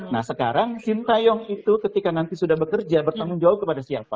nah sekarang sintayong itu ketika nanti sudah bekerja bertanggung jawab kepada siapa